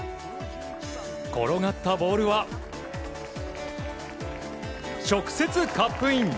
転がったボールは直接カップイン。